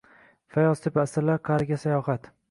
Fayoztepa – asrlar qa’riga sayohat